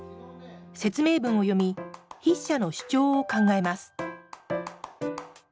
説明文を読み筆者の主張を考えます。